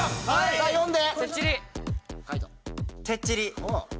さぁ読んで。